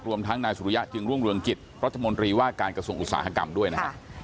รวมทั้งนายสุริยะจึงรุ่งเรืองกิจรัฐมนตรีว่าการกระทรวงอุตสาหกรรมด้วยนะฮะ